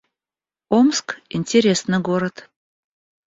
Омск — интересный город